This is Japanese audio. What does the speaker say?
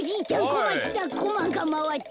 こまったコマがまわった。